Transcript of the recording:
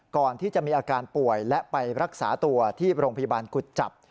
ก่อนที่จะมีอาการป่วยและไปรักษาตัวที่โรงพยาบาลกุจจับ